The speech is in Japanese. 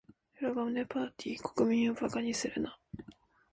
裏金パーティ？国民を馬鹿にするな。